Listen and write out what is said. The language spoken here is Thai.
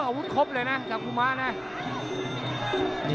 อาวุธครบเลยนะกับคุณมั้ง